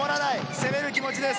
攻める気持ちです。